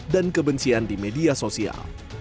dan kebencian di media sosial